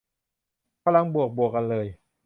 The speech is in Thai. พลังบวก บวกกันเลย